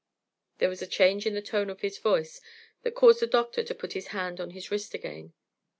There was a change in the tone of his voice that caused the doctor to put his hand on his wrist again.